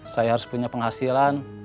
saya harus punya penghasilan